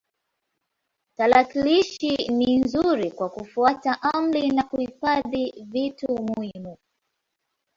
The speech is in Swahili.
Tarakilishi ni nzuri kwa kufuata amri na kuhifadhi vitu muhimu.